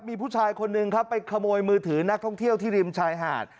มีผู้ชายคนหนึ่งครับไปขโมยมือถือนักท่องเที่ยวที่ริมชายหาด